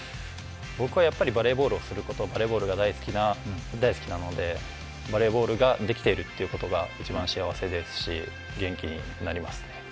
僕はバレーボールをすること、バレーボールが大好きなのでバレーボールができてるってことが一番幸せですし、元気になります。